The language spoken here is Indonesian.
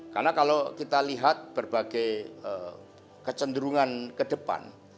karena kalau kita lihat berbagai kecenderungan ke depan